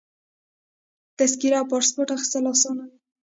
د تذکرې او پاسپورټ اخیستل اسانه وي.